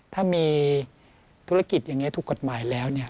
ถ้ามีธุรกิจอย่างนี้ถูกกฎหมายแล้วเนี่ย